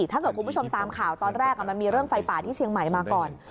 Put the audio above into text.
ถ้าเกิดคุณผู้ชมตามข่าวตอนแรกมันมีเรื่องไฟป่าที่เชียงใหม่มาก่อน